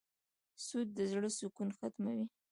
سود د زړه سکون ختموي.